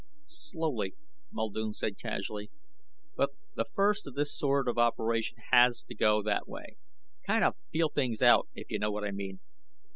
"Slowly," Muldoon said casually. "But the first of this sort of operation has to go that way. Kind of feel things out, if you know what I mean?"